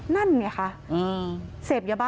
นั่นไงค่ะ